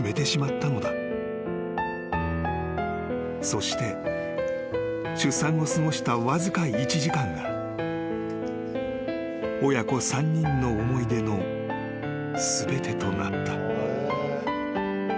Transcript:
［そして出産後過ごしたわずか１時間が親子３人の思い出の全てとなった］